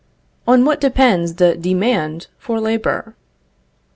On what depends the demand for labor?